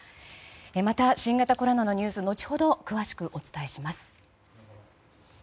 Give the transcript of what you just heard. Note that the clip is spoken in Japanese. また新型コロナのニュース後ほど詳しくお伝えします。